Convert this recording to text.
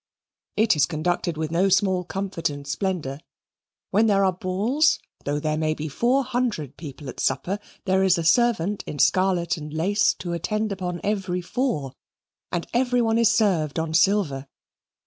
It is conducted with no small comfort and splendour. When there are balls, though there may be four hundred people at supper, there is a servant in scarlet and lace to attend upon every four, and every one is served on silver.